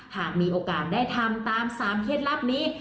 หากมีโอกาสได้ทำตาม๓เคล็ดลับนี้